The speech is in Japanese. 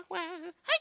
はい。